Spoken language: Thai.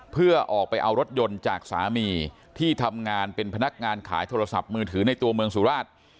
เพื่อออกไปเอารถยนต์จากสามีที่ทำงานเป็นพนักงานขายโทรศัพท์มือถือในตัวเมืองสุราช